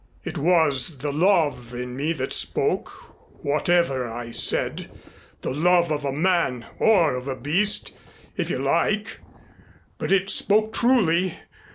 It was the love in me that spoke, whatever I said the love of a man, or of a beast, if you like. But it spoke truly.